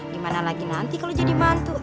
gimana lagi nanti kalau jadi mantu